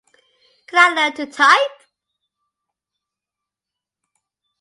Can I learn to type?